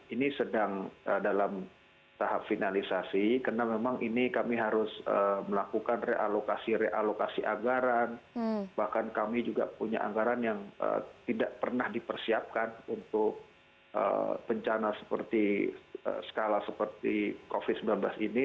ini sedang dalam tahap finalisasi karena memang ini kami harus melakukan realokasi realokasi anggaran bahkan kami juga punya anggaran yang tidak pernah dipersiapkan untuk bencana seperti skala seperti covid sembilan belas ini